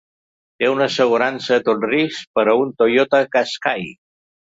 Té una assegurança a tot risc per a un Toyota Kaskai.